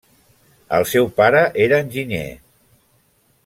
El seu pare era enginyer.